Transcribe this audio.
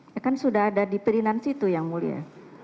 ya kan sudah ada di perinan situ yang mulia